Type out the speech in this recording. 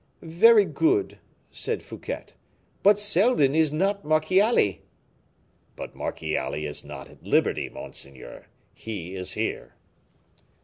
"Very good," said Fouquet; "but Seldon is not Marchiali." "But Marchiali is not at liberty, monseigneur; he is here."